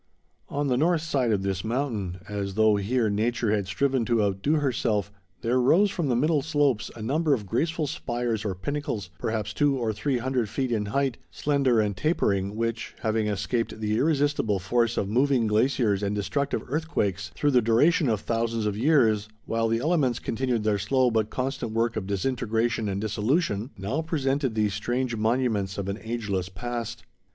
On the north side of this mountain, as though, here, nature had striven to outdo herself, there rose from the middle slopes a number of graceful spires or pinnacles, perhaps 200 or 300 feet in height, slender and tapering, which, having escaped the irresistible force of moving glaciers and destructive earthquakes, through the duration of thousands of years, while the elements continued their slow but constant work of disintegration and dissolution, now presented these strange monuments of an ageless past.